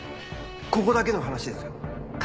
ここだけの話ですよ。